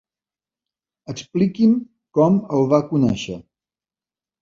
Expliqui'm com el va conèixer.